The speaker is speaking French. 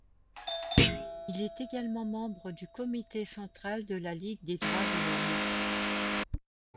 Il est également membre du comité central de la Ligue des droits de l'homme.